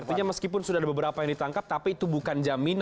artinya meskipun sudah ada beberapa yang ditangkap tapi itu bukan jaminan